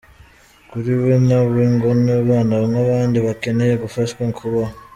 Kuri we nabo ngo ni abana nk’abandi bakeneye gufashwa kubaho.